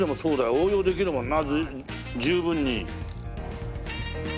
応用できるもんな十分に。